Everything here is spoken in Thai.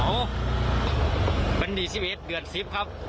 ว่านี้เข้าถึงใช่เหรอ